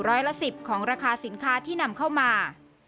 ร้อยละ๑๐ของราคาสินค้าที่นำเข้ามา